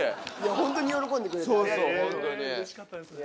ホントに喜んでくれてね。